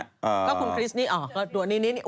ก็คุณคริสต์นี่อ๋อตัวนี้อุ๊ยตายแล้วนี่